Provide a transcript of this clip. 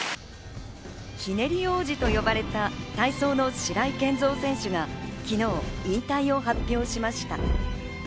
ひねり王子と呼ばれた体操の白井健三選手が、昨日、引退を発表しました。